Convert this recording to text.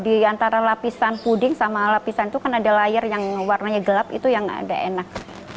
di antara lapisan puding sama lapisan itu kan ada layar yang warnanya gelap itu yang agak enak